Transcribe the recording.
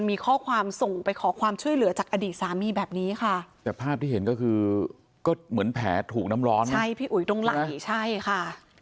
มีข้อความส่งไปขอความช่วยเหลือจากอดีตสามีแบบนี้ค่ะแต่ภาพที่เห็นก็คือก็เหมือนแผลถูกน้ำร้อนใช่พี่อุ๋ยตรงไหล่ใช่ค่ะ